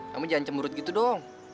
kamu jangan cemburut gitu dong